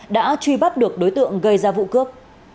đã truy bắt được đối tượng gây ra vụ cướp